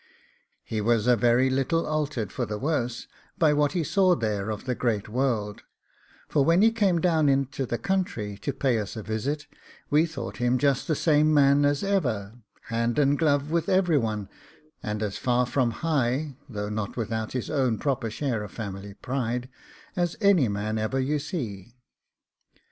He was a very little altered for the worse by what he saw there of the great world, for when he came down into the country to pay us a visit, we thought him just the same man as ever hand and glove with every one, and as far from high, though not without his own proper share of family pride, as any man ever you see.